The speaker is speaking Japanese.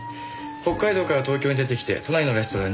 北海道から東京に出てきて都内のレストランに就職。